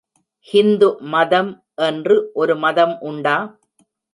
ஹிந்து மதம் என்று ஒரு மதம் உண்டா?